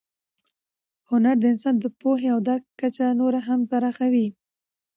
هنر د انسان د پوهې او درک کچه نوره هم پراخوي.